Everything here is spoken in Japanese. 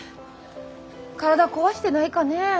体壊してないかね？